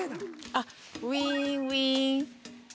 あっウインウイン。